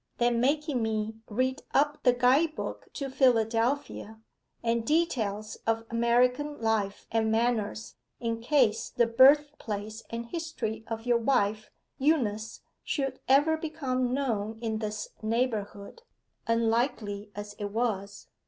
Then making me read up the guide book to Philadelphia, and details of American life and manners, in case the birthplace and history of your wife, Eunice, should ever become known in this neighbourhood unlikely as it was.